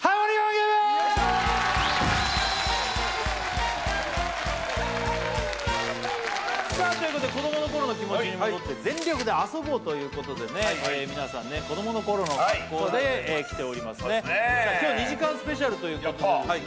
ゲームさあということで子どもの頃の気持ちに戻って全力で遊ぼうということでね皆さんね子どもの頃の格好で来ておりますね今日２時間スペシャルということでですね